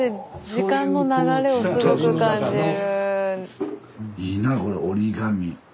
時間の流れをすごく感じる。